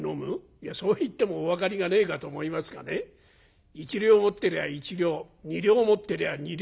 「いやそう言ってもお分かりがねえかと思いますがね一両持ってりゃ一両二両持ってりゃ二両。